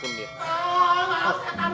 auu mau setan banget